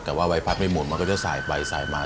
แต่ว่าใบพัดไม่หมุนมันก็จะสายไปสายมา